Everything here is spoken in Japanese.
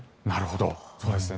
なるほど。